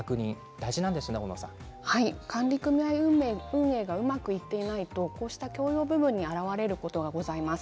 管理組合運営がうまくいっていないと共用部分に現れることがございます。